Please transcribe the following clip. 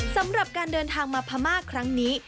สำหรับการเดินทางมาพม่าครั้งนี้